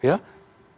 saya sudah berusaha